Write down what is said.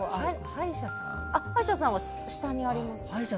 歯医者さんは下にあります。